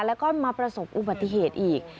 แล้วก็มาประสบอุบัติเหตุอีก